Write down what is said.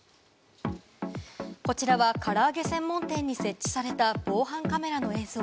こちらは、からあげ専門店に設置された防犯カメラの映像。